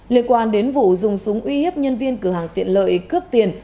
liên quan đến vụ dùng súng uy hiếp nhân viên cửa hàng tiện lợi cướp tiền